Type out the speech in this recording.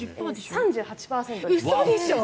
３８％です。